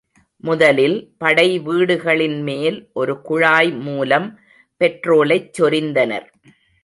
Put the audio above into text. முதலில் படை வீடுகளின் மேல் ஒரு குழாய் மூலம் பெட்ரோலைச் சொரிந்தனர்.